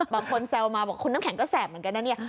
บางคนแซวมาบอกคุณน้ำแข็งก็แสบเหมือนกันนะเนี่ย